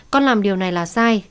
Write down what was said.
con làm điều này là sai